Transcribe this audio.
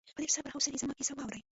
په ډېر صبر او حوصلې زما کیسه واورې.